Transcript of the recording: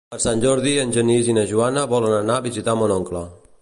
Per Sant Jordi en Genís i na Joana volen anar a visitar mon oncle.